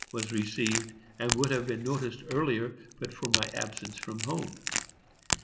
was received, and would have been noticed earlier but for my absence from home.